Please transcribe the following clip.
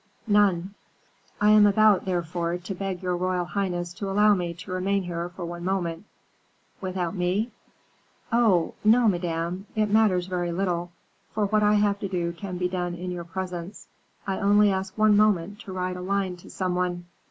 "None." "I am about, therefore, to beg your royal highness to allow me to remain here for one moment." "Without me?" "Oh! no, Madame. It matters very little; for what I have to do can be done in your presence. I only ask one moment to write a line to some one."